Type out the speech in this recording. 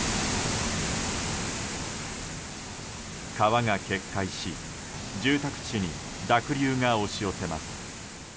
川が決壊し住宅地に濁流が押し寄せます。